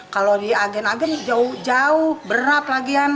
kalau di agen agen jauh jauh berat lagi kan